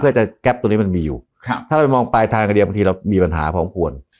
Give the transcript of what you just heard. เพื่อจะแก๊ปตัวนี้มันมีอยู่ถ้าเราไปมองปลายทางคดีบางทีเรามีปัญหาพอควร